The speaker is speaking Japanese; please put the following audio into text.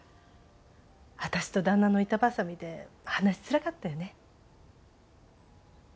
私と旦那の板挟みで話しづらかったよね。